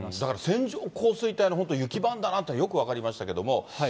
だから、線状降水帯の本当雪版だなっていうの、よく分かりましたけれども。